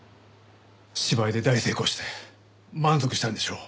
芝居で大成功して満足したんでしょう。